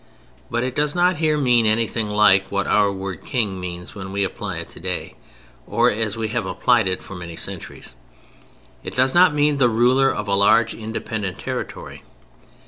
But it does not here mean anything like what our word "King" means when we apply it today—or as we have applied it for many centuries. It does not mean the ruler of a large independent territory.